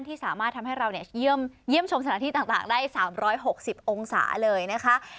ที่สามารถทำให้เราเยี่ยมชมสถานที่ต่างได้๓๖๐องศาเลยนะคะ